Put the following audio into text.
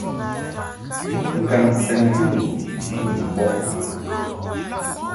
Ngaŋ sɛnti nu ni mbɔʼ Nyikɔb.